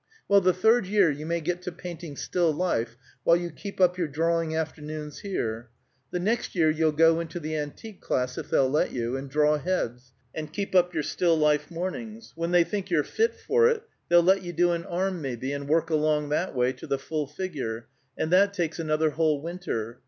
"Well, the third year you may get to painting still life, while you keep up your drawing afternoons here. The next year you'll go into the antique class, if they'll let you, and draw heads, and keep up your still life mornings. When they think you're fit for it, they'll let you do an arm, maybe, and work along that way to the full figure; and that takes another whole winter.